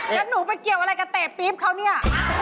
แล้วหนูไปเกี่ยวอะไรกับเตะปี๊บเขาเนี่ย